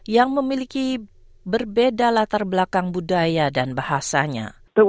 yang memiliki berbeda latar belakang budaya dan bahasanya